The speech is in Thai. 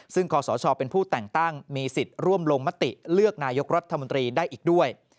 ซึ่งคศเป็นผู้แต่งตั้งมีสิทธิ์ร่วมลงมติเลือกนายกรัฐมนตรีได้อีกด้วย